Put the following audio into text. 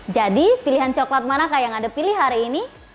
jadi pilihan coklat mana kak yang ada pilih hari ini